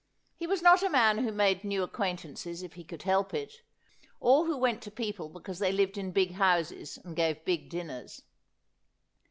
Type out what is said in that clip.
He was not a man who made new acquaintances if he could help it, or who went to people because they lived in big houses and gave big dinners.